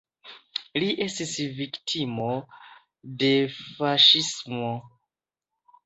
Li estis viktimo de faŝismo.